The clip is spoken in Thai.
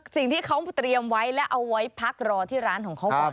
สิ่งที่เขาเตรียมไว้และเอาไว้พักรอที่ร้านของเขาก่อน